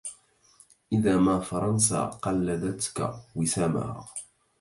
إذا ما فرنسا قلدتك وسامها